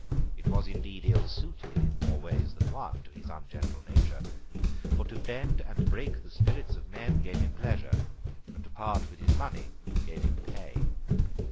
It was indeed ill suited in more ways than one, to his ungentle nature. For to bend and break the spirits of men gave him pleasure; and to part with his money gave him pain.